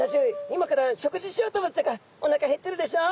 今から食事しようと思ってたからおなか減ってるでしょ？